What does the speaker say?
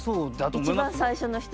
一番最初の人は。